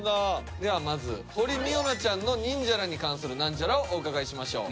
では堀未央奈ちゃんのニンジャラに関するナンジャラをお伺いしましょう。